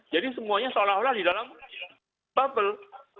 jadi semuanya seolah olah di dalam bubble